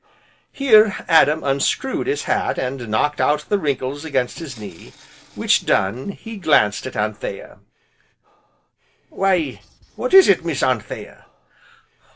Here, Adam unscrewed his hat, and knocked out the wrinkles against his knee, which done, he glanced at Anthea: "Why what is it, Miss Anthea?"